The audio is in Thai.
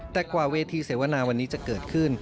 แต่กว่าเวทีเสวนาวันนี้จะเกิดขึ้น